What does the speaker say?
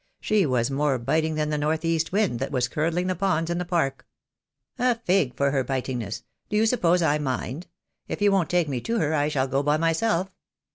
She was more biting than the north east wind that was curdling the ponds in the Park." "A fig for her bitingness. Do you suppose I mind? If you won't take me to her I shall go by myself.